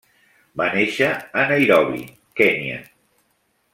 Va néixer a Nairobi, Kenya.